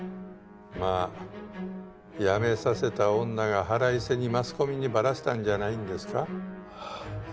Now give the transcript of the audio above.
まあ辞めさせた女が腹いせにマスコミにバラしたんじゃないんですか？